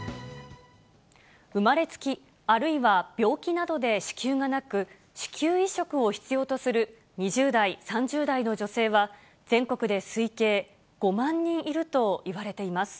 生まれつき、あるいは病気などで子宮がなく、子宮移植を必要とする２０代、３０代の女性は、全国で推計５万人いるといわれています。